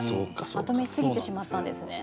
まとめすぎてしまったんですね。